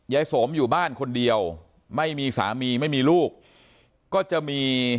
สมอยู่บ้านคนเดียวไม่มีสามีไม่มีลูกก็จะมี